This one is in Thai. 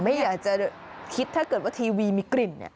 ไม่อยากจะคิดถ้าเกิดว่าทีวีมีกลิ่น